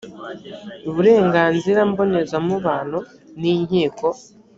uburenganzira mbonezamubano n inkiko